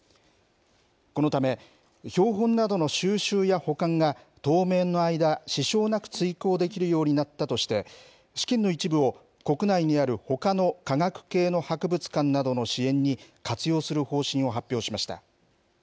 このため、標本などの収集や保管が当面の間、支障なく遂行できるようになったとして、資金の一部を国内にあるほかの科学系の博物館などの支援に活用する方針を発表しました。